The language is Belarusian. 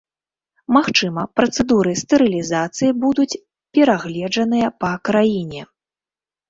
Магчыма, працэдуры стэрылізацыі будуць перагледжаныя па краіне.